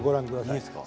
いいですか？